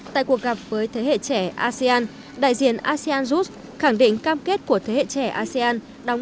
tại cuộc gặp với thế hệ trẻ asean đại diện asean youth khẳng định cam kết của thế hệ trẻ asean